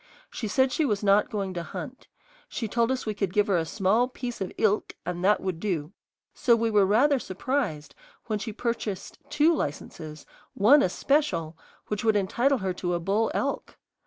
She said she was not going to hunt; she told us we could give her a small piece of "ilk" and that would do; so we were rather surprised when she purchased two licenses, one a special, which would entitle her to a bull elk.